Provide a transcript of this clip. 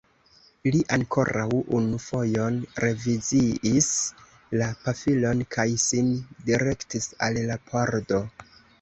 Li ankoraŭ unu fojon reviziis la pafilon kaj sin direktis al la pordo.